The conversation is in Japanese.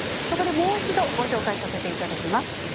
そこで、もう一度ご紹介させていただきます。